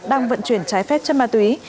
đang vận chuyển trái phép chân ma túy